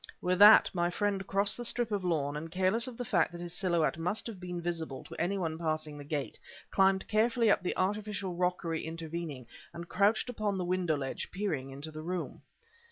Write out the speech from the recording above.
With that my friend crossed the strip of lawn, and careless of the fact that his silhouette must have been visible to any one passing the gate, climbed carefully up the artificial rockery intervening, and crouched upon the window ledge peering into the room.